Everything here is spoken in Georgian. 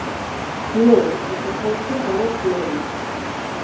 მდინარეთა შესართავებში ხარობს ლელი.